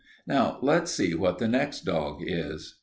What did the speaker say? Now let's see what the next dog is.